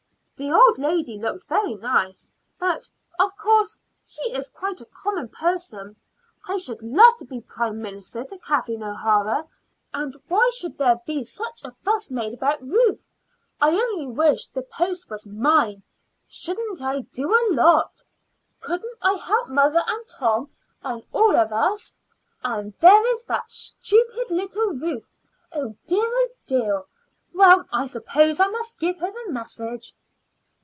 The old lady looked very nice; but, of course, she is quite a common person. I should love to be Prime Minister to Kathleen O'Hara. And why should there be such a fuss made about Ruth? I only wish the post was mine shouldn't I do a lot! Couldn't I help mother and Tom and all of us? And there is that stupid little Ruth oh, dear! oh, dear! Well, I suppose I must give her the message."